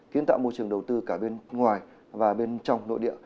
kiến tạo môi trường đầu tư cả bên ngoài và bên trong nội địa